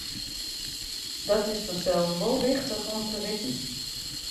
Dat is fansels wol wichtich om te witten.